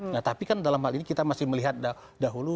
nah tapi kan dalam hal ini kita masih melihat dahulu